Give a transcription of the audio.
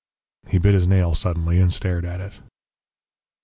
He bit his nail suddenly, and stared at it.